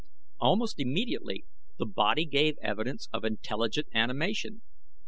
Almost immediately the body gave evidence of intelligent animation.